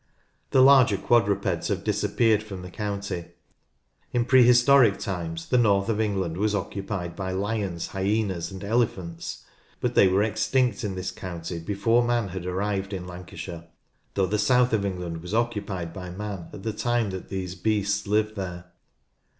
The larger quadrupeds have disappeared from the county. In prehistoric times, the north of England was occupied by lions, hyaenas, and elephants, but they were extinct in this county before man had arrived in Lanca shire, though the south of England was occupied by man at the time that these beasts lived there.